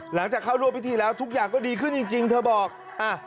หลังจากเข้าร่วมพิธีแล้วทุกอย่างก็ดีขึ้นจริงเธอบอก